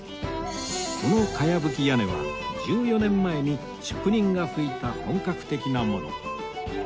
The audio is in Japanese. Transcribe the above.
この茅葺屋根は１４年前に職人が葺いた本格的なもの